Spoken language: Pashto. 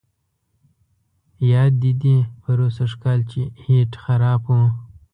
یاد دي دي پروسږ کال چې هیټ خراب وو.